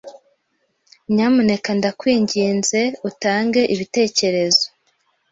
Nyamuneka ndakwinginze utange ibitekerezo.